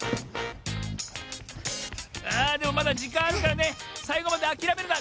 あでもまだじかんあるからねさいごまであきらめるな！